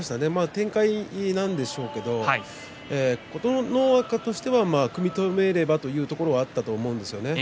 展開なんでしょうけれど琴ノ若としては組み止めればというところがあったと思うんですよね。